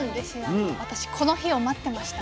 私この日を待ってました。